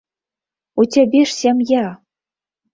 У цябе ж сям'я!